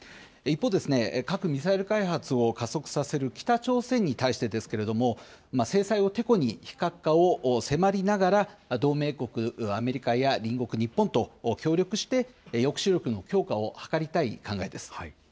一方、核・ミサイル開発を加速させる北朝鮮に対してですけれども、制裁をてこに非核化を迫りながら、同盟国アメリカや、隣国日本と協力して、抑止力の強化を図りたい考えです。